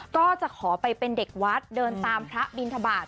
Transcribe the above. ก็จะขอไปเป็นเด็กวัดเดินตามพระบินทบาท